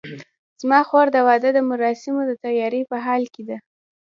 زما خور د واده د مراسمو د تیارۍ په حال کې ده